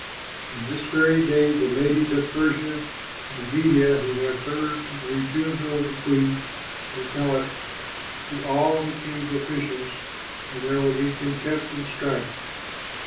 And this very day the ladies of Persia and Media who have heard of the refusal of the queen will tell it to all the king's officials, and there will be contempt and strife!